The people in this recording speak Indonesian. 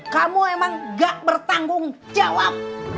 kamu emang gak bertanggung jawab